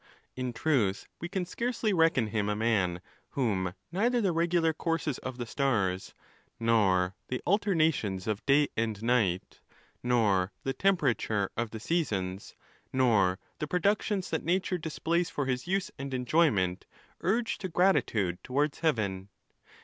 In truth, we can scarcely reckon him a man, whom neither the regular courses of the stars, nor the alternations of day and night, nor the temperature of the seasons, nor the pro ductions that nature displays for his use and enjoyment, urge to gratitude towards heaven.